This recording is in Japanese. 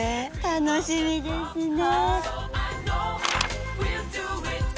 楽しみですね。